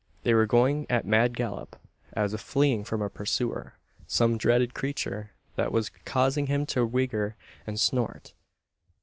They were going at mad gallop, as if fleeing from a pursuer some dreaded creature that was causing them to "whigher" and snort!